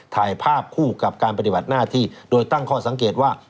ถ่ายภาพคู่กับการปฏิบัติหน้าที่โดยตั้งข้อสังเกตว่า